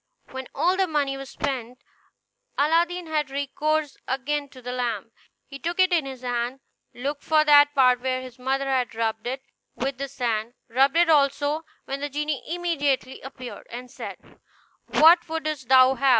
When all the money was spent, Aladdin had recourse again to the lamp. He took it in his hand, looked for that part where his mother had rubbed it with the sand, rubbed it also, when the genie immediately appeared, and said, "What wouldst thou have?